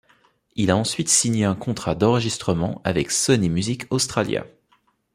Il a ensuite signé un contrat d'enregistrement avec Sony Music Australia.